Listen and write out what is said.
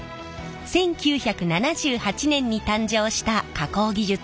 １９７８年に誕生した加工技術なんです。